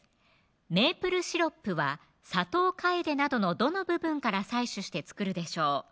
メープルシロップはサトウカエデなどのどの部分から採取して作るでしょう